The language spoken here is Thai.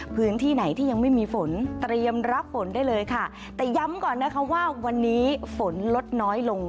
พื้นที่ไหนที่ยังไม่มีฝนเตรียมรับฝนได้เลยค่ะแต่ย้ำก่อนนะคะว่าวันนี้ฝนลดน้อยลง